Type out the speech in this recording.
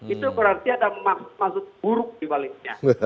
itu berarti ada maksud buruk dibaliknya